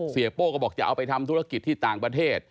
โป้ก็บอกจะเอาไปทำธุรกิจที่ต่างประเทศ